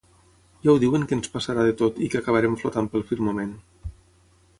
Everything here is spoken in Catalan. Ja ho diuen que ens passarà de tot i que acabarem flotant pel firmament.